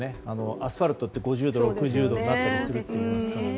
アスファルトって５０度とか６０度になったりするそうですから。